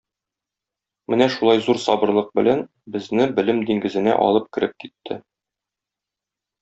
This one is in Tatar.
Менә шулай зур сабырлык белән безне белем диңгезенә алып кереп китте.